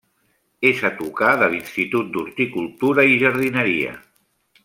És a tocar de l'Institut d'Horticultura i Jardineria.